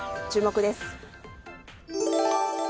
注目です。